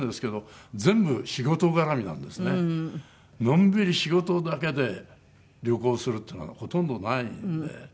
のんびり仕事だけで旅行するってのはほとんどないんで。